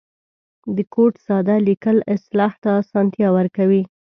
د کوډ ساده لیکل اصلاح ته آسانتیا ورکوي.